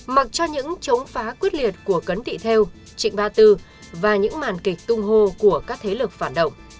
mặc cho những chống phá quyết liệt của cấn tị theo trịnh ba tư và những màn kịch tung hô của các thầy